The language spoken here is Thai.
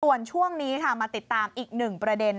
ส่วนช่วงนี้ค่ะมาติดตามอีกหนึ่งประเด็น